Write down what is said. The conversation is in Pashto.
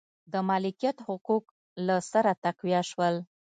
د مالکیت حقوق له سره تقویه شول.